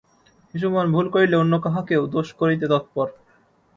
শিশুমন ভুল করিলে অন্য কাহাকেও দোষী করিতে তৎপর।